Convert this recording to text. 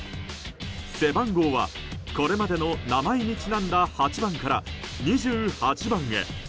背番号はこれまでの名前にちなんだ８番から２８番へ。